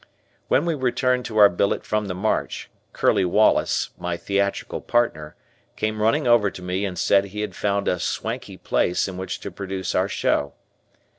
When we returned to our billet from the march, Curley Wallace, my theatrical partner, came running over to me and said he had found a swanky place in which to produce our show.